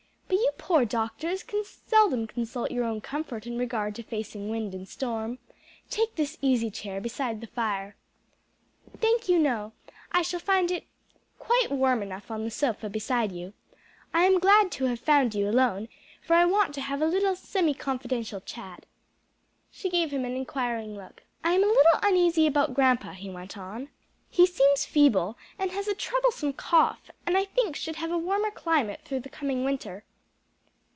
But you poor doctors can seldom consult your own comfort in regard to facing wind and storm. Take this easy chair beside the fire." "Thank you, no; I shall find it quite warm enough on the sofa beside you. I am glad to have found you alone, for I want to have a little semi confidential chat." She gave him an inquiring look. "I am a little uneasy about grandpa," he went on: "he seems feeble and has a troublesome cough, and I think should have a warmer climate through the coming winter.